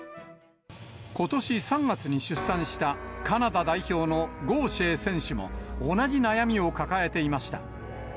ことし３月に出産したカナダ代表のゴウシェー選手も、同じ悩みを抱えていました。